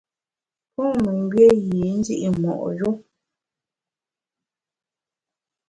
Pon memgbié yî ndi’ yap mo’ yu.